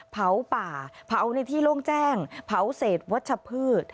เผาป่าเผาในที่โล่งแจ้งเผาเศษวัชพืช